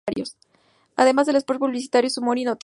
Además de spots publicitarios, humor y noticias.